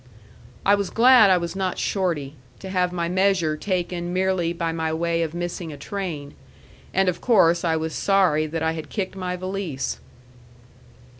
I was glad I was not Shorty, to have my measure taken merely by my way of missing a train. And of course I was sorry that I had kicked my valise.